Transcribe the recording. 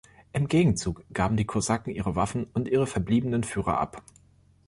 Im Gegenzug gaben die Kosaken ihre Waffen und ihre verbliebenen Führer ab.